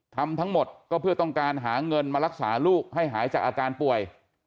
ทำทั้งหมดก็เพื่อต้องการหาเงินมารักษาลูกให้หายจากอาการป่วย